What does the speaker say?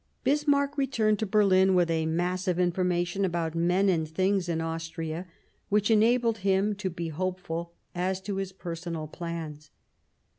Bismarck returned to Berlin with a mass of information about men and things in Austria, which enabled him to be hopeful as to his personal plans.